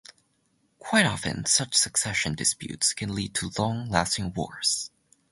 Quite often such succession disputes can lead to long-lasting wars.